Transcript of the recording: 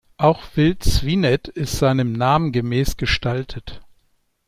Auch "Vild-Svinet" ist seinem Namen gemäß gestaltet.